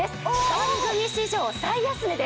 番組史上最安値です！